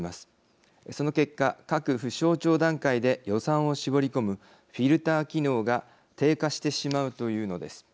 その結果各府省庁段階で予算を絞り込むフィルター機能が低下してしまうというのです。